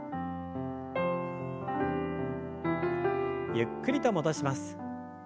ゆっくりと戻します。